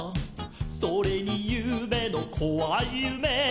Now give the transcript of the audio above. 「それにゆうべのこわいゆめ」